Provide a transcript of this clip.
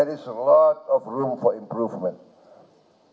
ada banyak ruang untuk peningkatan